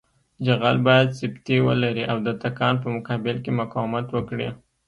جغل باید سفتي ولري او د تکان په مقابل کې مقاومت وکړي